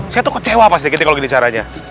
saya tuh kecewa pak sri kiti kalau gini caranya